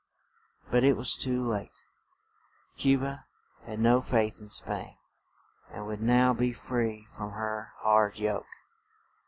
] But it was too late; Cu ba had no faith in Spain, and would now be free from her hard yoke.